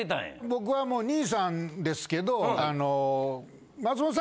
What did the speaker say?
僕はもう兄さんですけど。